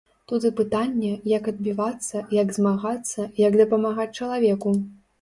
Тут і пытанне, як адбівацца, як змагацца, як дапамагаць чалавеку.